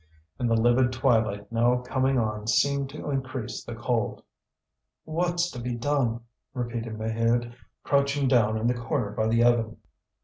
And the livid twilight now coming on seemed to increase the cold. "What's to be done?" repeated Maheude, crouching down in the corner by the oven.